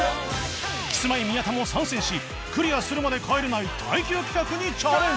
キスマイ宮田も参戦しクリアするまで帰れない耐久企画にチャレンジ！